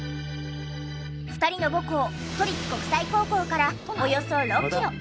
２人の母校都立国際高校からおよそ６キロ。